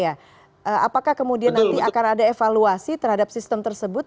apakah kemudian nanti akan ada evaluasi terhadap sistem tersebut